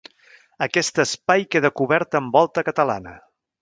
Aquest espai queda cobert amb volta catalana.